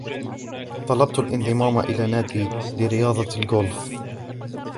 طلبَت الانضمام إلى نادى لرياضة الغولف.